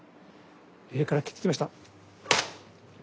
上から斬ってきました。